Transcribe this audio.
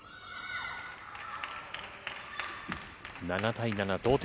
７対７、同点。